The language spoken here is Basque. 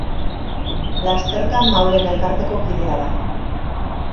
Lasterka Maulen elkarteko kidea da.